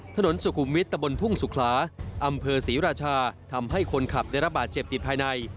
ถนนสุขุมวิทย์ตะบนทุ่งสุขลาอำเภอศรีราชาทำให้คนขับได้รับบาดเจ็บติดภายใน